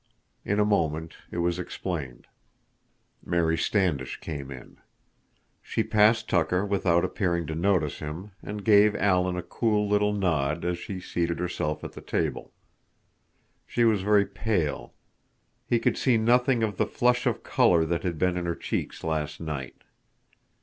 In a moment it was explained. Mary Standish came in. She passed Tucker without appearing to notice him, and gave Alan a cool little nod as she seated herself at the table. She was very pale. He could see nothing of the flush of color that had been in her cheeks last night.